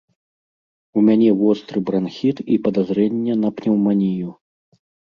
У мяне востры бранхіт і падазрэнне на пнеўманію.